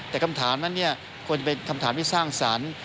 แต่คำถามนั้นควรจะเป็นคำถามที่สร้างสรรค์